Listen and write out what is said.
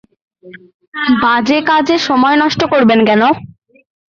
বাজে কাজে সময় নষ্ট করবেন কেন?